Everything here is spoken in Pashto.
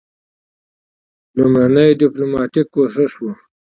لومړنی ډیپلوماټیک کوښښ وو.